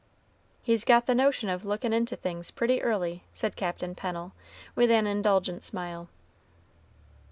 "He's got the notion of lookin' into things pretty early," said Captain Pennel, with an indulgent smile.